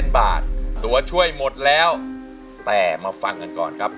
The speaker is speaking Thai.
บาทตัวช่วยหมดแล้วแต่มาฟังกันก่อนครับ